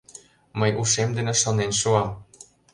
Мый ушем дене шонен шуам».